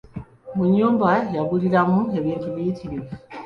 Mu nnyumba yaguliramu ebintu biyitirivu.